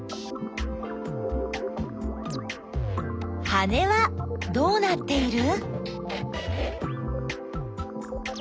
羽はどうなっている？